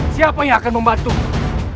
siapa yang akan membantumu